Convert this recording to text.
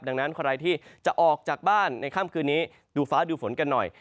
ดังนั้นใครที่จะออกจากบ้านในค่ำคืนนี้ดูฟ้าดูฝนกันหน่อย